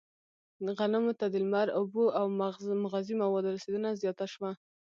غنمو ته د لمر، اوبو او مغذي موادو رسېدنه زیاته شوه.